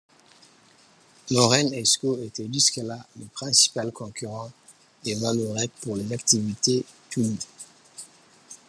Lorraine Escaut était jusque-là le principal concurrent de Vallourec pour les activités tubes.